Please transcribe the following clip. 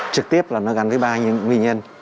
trực tiếp là nó gắn với ba nguyên nhân